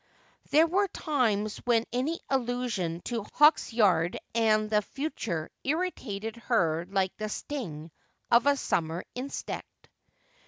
There were times when any allusion to Hawksyard and the future irritated her like the sting of a summer insect.